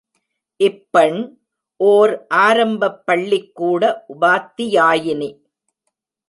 இப்பெண் ஓர் ஆரம்பப் பள்ளிக்கூட உபாத்தியாயினி.